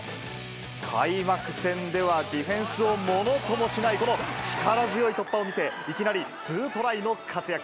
開幕戦ではディフェンスをものともしない、この力強い突破を見せ、いきなり２トライの活躍。